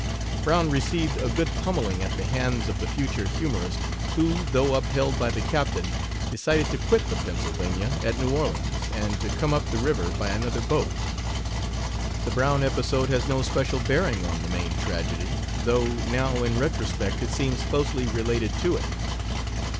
Brown received a good pummeling at the hands of the future humorist, who, though upheld by the captain, decided to quit the Pennsylvania at New Orleans and to come up the river by another boat. The Brown episode has no special bearing on the main tragedy, though now in retrospect it seems closely related to it.